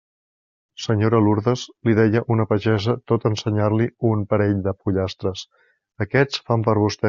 «Senyora Lourdes», li deia una pagesa tot ensenyant-li un parell de pollastres, «aquests fan per vostè».